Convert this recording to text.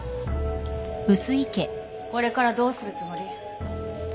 これからどうするつもり？